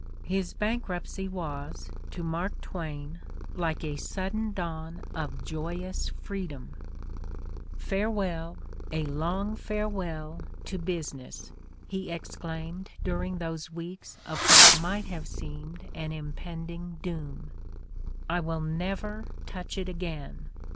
His bankruptcy was, to Mark Twain, like a sudden dawn of joyous freedom. "Farewell — a long farewell — ^to busi ness!" he exclaimed during those weeks cf what might have seemed an impending doom. "I will never touch it again!